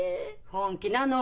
本気なの？